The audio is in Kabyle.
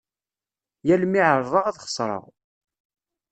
Yal mi εerḍeɣ ad xesreɣ.